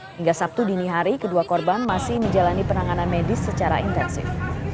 hingga sabtu dini hari kedua korban masih menjalani penanganan medis secara intensif